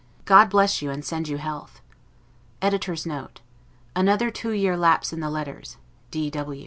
God bless you, and send you health. [Another two year lapse in the letters.